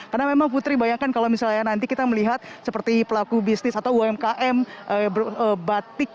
karena memang putri bayangkan kalau misalnya nanti kita melihat seperti pelaku bisnis atau umkm batik